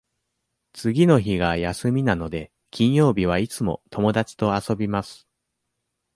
次の日が休みなので、金曜日はいつも友達と遊びます。